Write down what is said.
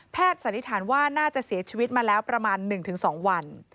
สันนิษฐานว่าน่าจะเสียชีวิตมาแล้วประมาณ๑๒วัน